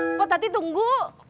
mbak tati tunggu